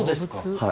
はい。